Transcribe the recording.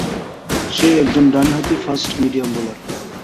সে একজন ডান হাতি ফাস্ট মিডিয়াম বোলার।